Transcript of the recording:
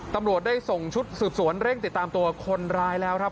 ตำรวจได้ส่งชุดสืบสวนเร่งติดตามตัวคนร้ายแล้วครับ